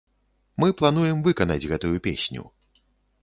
Мы плануем выканаць гэтую песню.